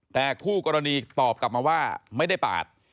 แต่ก่อนคู่กรณีตอบมาว่าไม่ได้ปาด